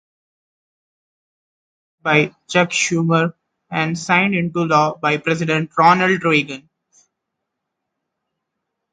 It was sponsored by Chuck Schumer and signed into law by President Ronald Reagan.